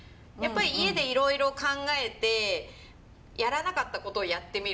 やっぱり家でいろいろ考えてやらなかったことをやってみるみたいな。